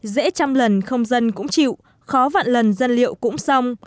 dễ trăm lần không dân cũng chịu khó vạn lần dân liệu cũng xong